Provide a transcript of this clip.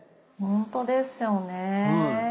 ほんとですよね。